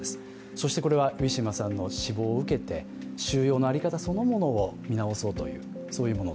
そしてこれはウィシュマさんの死亡を受けて収容の在り方そのものを見直そうというもの。